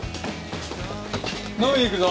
飲み行くぞ。